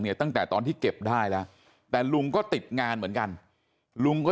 ตั้งแต่ตอนที่เก็บได้แล้วแต่ลุงก็ติดงานเหมือนกันลุงก็